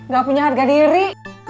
gak punya harga diri